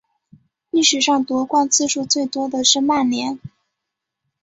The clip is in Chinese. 历史上夺冠次数最多的是曼联。